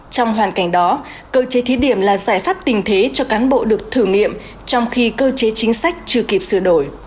trong hoàn cảnh đó cơ chế thí điểm là giải pháp tình thế cho cán bộ được thử nghiệm trong khi cơ chế chính sách chưa kịp sửa đổi